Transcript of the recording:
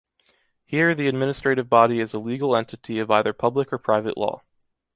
Here the administrative body is a legal entity of either public or private law.